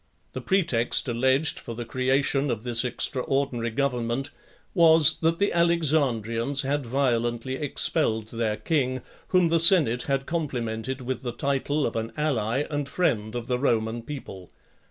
The pretext alleged for the creation of this extraordinary government, was, that the Alexandrians had violently expelled their king , whom the senate had complimented with the title of an ally and friend of the Roman people.